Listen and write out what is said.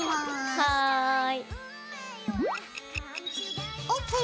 はい。